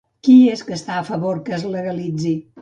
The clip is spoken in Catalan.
Qui és que està a favor que es legalitzi?